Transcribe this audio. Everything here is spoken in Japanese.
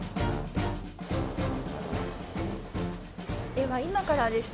では今からですね